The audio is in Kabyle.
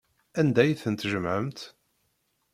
Anda ay tent-tjemɛemt?